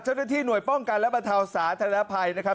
เจ้าหน้าที่หน่วยป้องกันและบรรเทาสาธารณภัยนะครับ